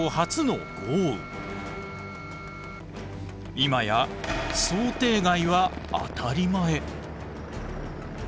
今や「想定外」は当たり前。